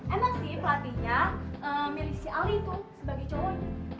emang sih pelatihnya milisi ali tuh sebagai cowoknya